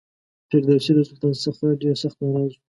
فردوسي له سلطان څخه ډېر سخت ناراض و.